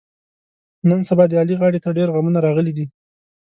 نن سبا د علي غاړې ته ډېرغمونه راغلي دي.